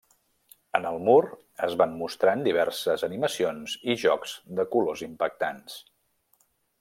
En el mur es van mostrant diverses animacions i jocs de colors impactants.